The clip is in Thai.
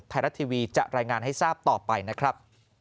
ไทยรัฐทีวีจะรายงานให้ทราบต่อไปนะครับ